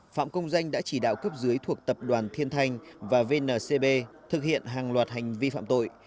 phạm công danh đã chỉ đạo cấp dưới thuộc tập đoàn thiên thanh và vncb thực hiện hàng loạt hành vi phạm tội